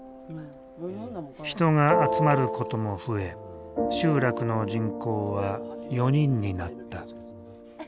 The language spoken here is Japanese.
人が集まることも増え集落の人口は４人になった。